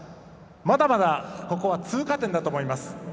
まだまだここは通過点だと思います。